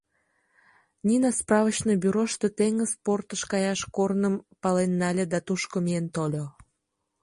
Нина справочный бюрошто теҥыз портыш каяш корным пален нале да тушко миен тольо.